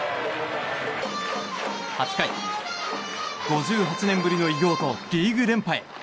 ８回、５８年ぶりの偉業とリーグ連覇へ。